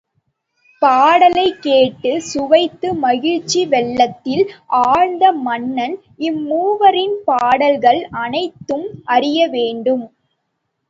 பாடலைக் கேட்டுச் சுவைத்து மகிழ்ச்சி வெள்ளத்தில் ஆழ்ந்த மன்னன், இம்மூவரின் பாடல்கள் அனைத்தையும் அறியவேண்டும்.